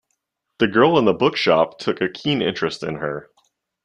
The girl in the book-shop took a keen interest in her.